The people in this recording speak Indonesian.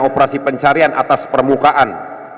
operasi pencarian atas permukaan